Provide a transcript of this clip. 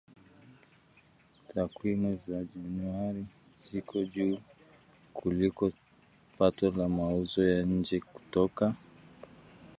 Takwimu za Januari ziko juu kuliko pato la mauzo ya nje kutoka